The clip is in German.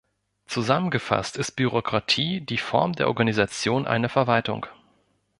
Zusammengefasst ist Bürokratie die Form der Organisation einer Verwaltung.